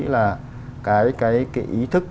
là cái ý thức